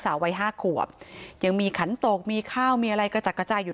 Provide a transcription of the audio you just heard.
วัยห้าขวบยังมีขันตกมีข้าวมีอะไรกระจัดกระจายอยู่